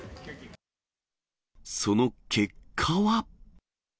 その結果は。